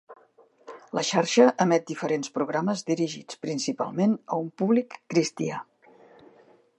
La xarxa emet diferents programes dirigits principalment a un públic cristià.